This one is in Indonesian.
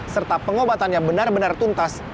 serta pengobatan yang benar benar tuntas